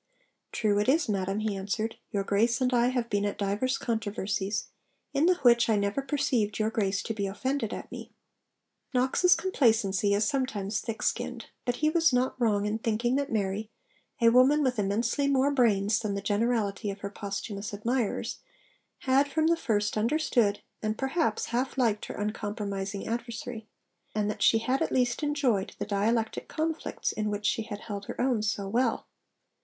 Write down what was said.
'True it is, madam,' he answered, 'your Grace and I have been at divers controversies, in the which I never perceived your Grace to be offended at me.' Knox's complacency is sometimes thick skinned: but he was not wrong in thinking that Mary, a woman with immensely more brains than the generality of her posthumous admirers, had from the first understood and, perhaps, half liked her uncompromising adversary, and that she had at least enjoyed the dialectic conflicts in which she had held her own so well.